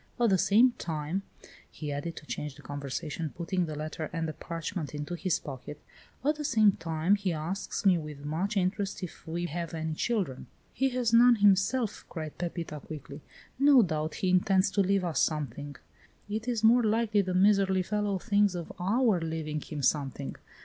At the same time," he added, to change the conversation, putting the letter and the parchment into his pocket, "at the same time, he asks me with much interest if we have any children." "He has none himself," cried Pepita quickly. "No doubt he intends to leave us something." "It is more likely the miserly fellow thinks of our leaving him something.